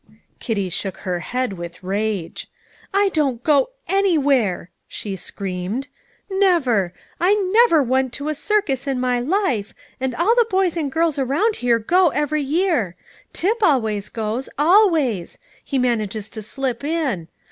Kitty shook her head with rage. "I don't go anywhere," she screamed. "Never! I never went to a circus in my life, and all the boys and girls around here go every year. Tip always goes always; he manages to slip in.